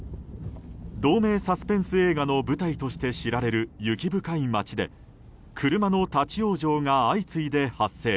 同名サスペンス映画の舞台として知られる雪深い街で車の立ち往生が相次いで発生。